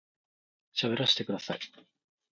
喋らせてください